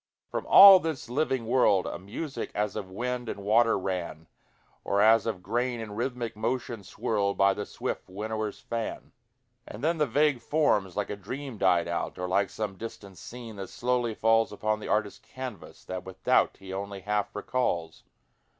From all this living world A music as of wind and water ran, Or as of grain in rhythmic motion swirled By the swift winnower's fan. And then the vague forms like a dream died out, Or like some distant scene that slowly falls Upon the artist's canvas, that with doubt He only half recalls.